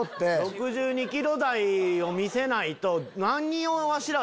６２ｋｇ台を見せないと。